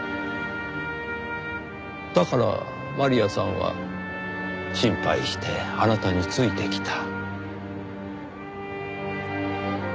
だからマリアさんは心配してあなたについてきた。